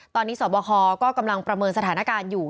ตอนนี้สอบคอก็กำลังประเมินสถานการณ์อยู่